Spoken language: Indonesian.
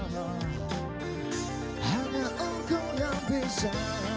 hanya engkau yang bisa